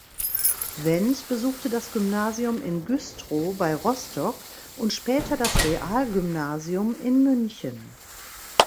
Wendt besuchte das Gymnasium in Güstrow bei Rostock und später das Realgymnasium in München.